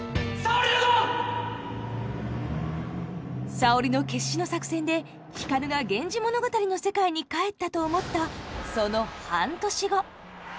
沙織の決死の作戦で光が「源氏物語」の世界に帰ったと思ったその半年後。